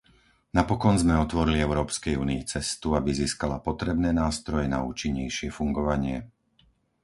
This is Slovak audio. Napokon sme otvorili Európskej únii cestu, aby získala potrebné nástroje na účinnejšie fungovanie.